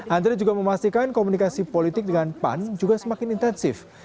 andre juga memastikan komunikasi politik dengan pan juga semakin intensif